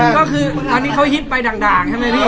ก็คือตอนนี้เขาฮิตไปด่างใช่ไหมพี่